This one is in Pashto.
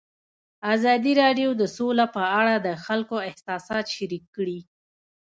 ازادي راډیو د سوله په اړه د خلکو احساسات شریک کړي.